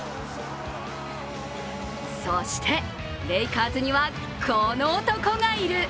そしてレイカーズにはこの男がいる。